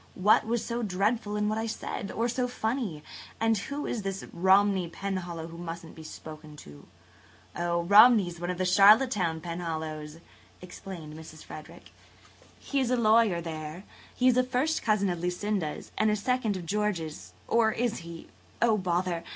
"What was so dreadful in what I said? Or so funny? And who is this Romney Penhallow who musn't be spoken to?" "Oh, Romney is one of the Charlottetown Penhallows," explained Mrs. Frederick. "He is a lawyer there. He is a first cousin of Lucinda's and a second of George's–or is he? Oh, bother!